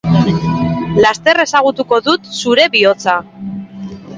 Laster ezagutuko dut zure bihotza.